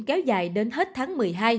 kéo dài đến hết tháng một mươi hai